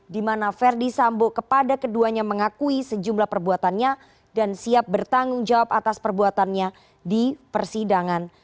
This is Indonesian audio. di mana verdi sambo kepada keduanya mengakui sejumlah perbuatannya dan siap bertanggung jawab atas perbuatannya di persidangan